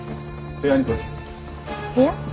部屋？